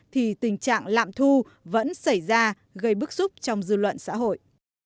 thì tình trạng lạm thu vẫn xảy ra gây bức xúc trong dư luận xã hội